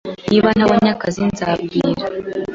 Niba ntabonye akazi, nzabwira